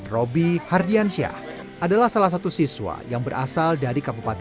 robi hardiansyah adalah salah satu siswa yang berasal dari kampung nusantara